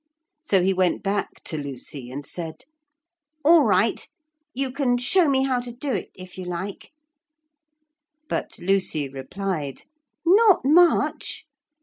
So he went back to Lucy and said: 'All right, you can show me how to do it, if you like.' But Lucy replied: 'Not much!